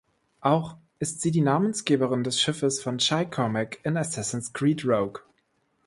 Auch ist sie die Namensgeberin des Schiffes von Shay Cormac in Assassin's Creed Rogue.